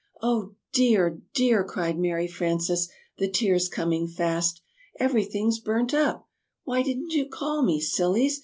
"Oh, dear! dear!" cried Mary Frances, the tears coming fast. "Everything's burnt up! Why, didn't you call me, Sillies?